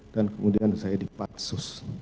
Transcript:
dan kemudian saya dipaksus